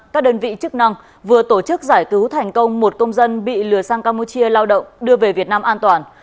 các đơn vị chức năng vừa tổ chức giải cứu thành công một công dân bị lừa sang campuchia lao động đưa về việt nam an toàn